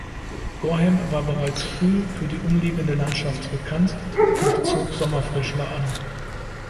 Gorham war bereits früh für die umliegende Landschaft bekannt und zog Sommerfrischler an.